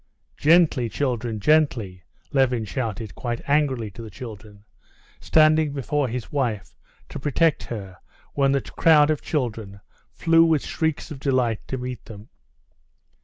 "Gently, children, gently!" Levin shouted quite angrily to the children, standing before his wife to protect her when the crowd of children flew with shrieks of delight to meet them.